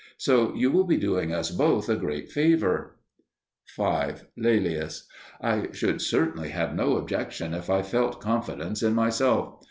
So you will be doing us both a great favour. 5. Laelius. I should certainly have no objection if I felt confidence in myself.